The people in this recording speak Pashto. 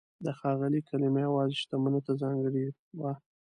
د "ښاغلی" کلمه یوازې شتمنو ته ځانګړې وه.